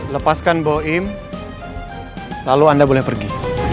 lepaskan boim lalu anda boleh pergi